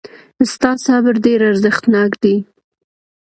ستا صبر ډېر ارزښتناک دی.